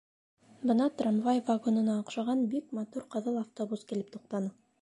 Бына трамвай вагонына оҡшаған бик матур ҡыҙыл автобус килеп туҡтаны.